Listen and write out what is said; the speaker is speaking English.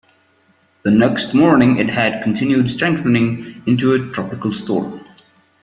The next morning it had continued strengthening into a tropical storm.